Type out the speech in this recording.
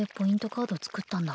カード作ったんだ